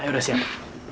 ayo udah siap